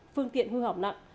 phương tiện hư hỏng nặng